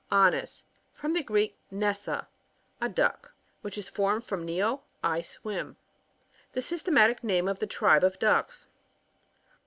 Anas. — From the Greek, nessa, a duck, which is formed from tied, I swim. The sy^tematic name of the tribe of ducks.